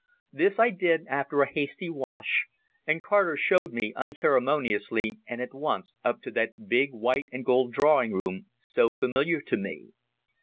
This I did after a hasty wash, and Carter showed me unceremoniously and at once up to that big white and gold drawing room so familiar to me.